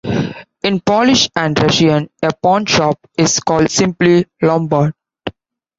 In Polish and Russian, a pawn shop is called simply "lombard".